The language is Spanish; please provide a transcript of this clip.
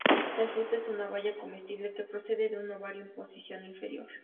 El fruto es una baya comestible que procede de un ovario en posición inferior.